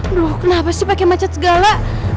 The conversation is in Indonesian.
aduh kenapa sih pakai macet segala